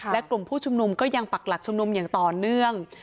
และกลุ่มผู้ชุมนุมก็ยังปักหลักชุมนุมอย่างต่อเนื่อง